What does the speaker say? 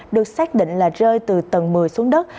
được xác định là rơi từ tầng một mươi xuống đất